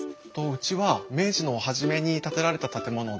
うちは明治の初めに建てられた建物で。